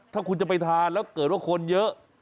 ถ้าคุณจะไปทานแล้วเกิดว่าคนเยอะ